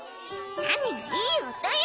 何がいい音よ。